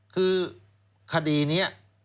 คือคดีนี้